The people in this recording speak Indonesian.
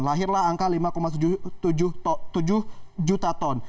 lahirlah angka lima tujuh juta ton